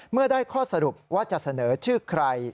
เมื่อได้ข้อสรุปว่าจะเสนอชื่อใคร